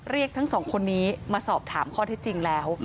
เรียกทั้งสองคนนี้มาสอบถามข้อเท็จจริงแล้ว